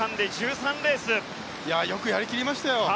よくやり切りましたよ。